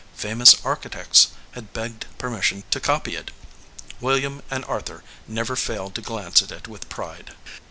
Famous architects had begged permission to copy it. William and Arthur never failed to glance at it with pride.